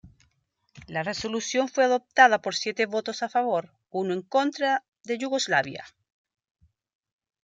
La resolución fue adoptada por siete votos a favor, uno en contra de Yugoslavia.